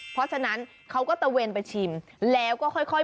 เพราะฉะนั้นเขาก็ตะเวนไปชิมแล้วก็ค่อย